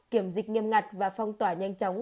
kiểm dịch nghiêm ngặt và phong tỏa nhanh chóng